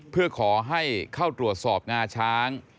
เพื่อขอให้เข้าตรวจสอบงาช้าง